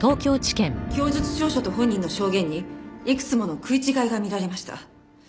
供述調書と本人の証言にいくつもの食い違いが見られました。